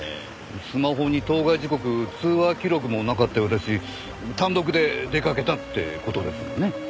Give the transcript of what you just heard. スマホに当該時刻通話記録もなかったようだし単独で出掛けたって事ですもんね。